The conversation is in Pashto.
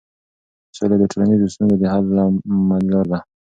سوله د ټولنیزو ستونزو د حل عملي لار ده.